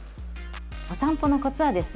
おさんぽのコツはですね